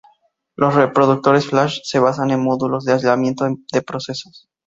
Los reproductores Flash se basan en un modelo de aislamiento de procesos.